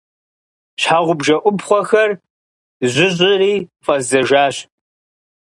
Щхьэгъубжэ ӏупхъуэхэр зжьыщӏри фӏэздзэжащ.